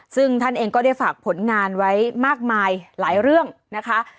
ซึ่งท่านเองก็ได้ฝากผลงานไว้มากมายหลายเรื่องนะคะ